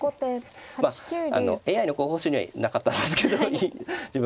まあＡＩの候補手にはなかったんですけど自分解説して。